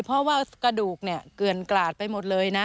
เพราะว่ากระดูกเนี่ยเกือนกราดไปหมดเลยนะ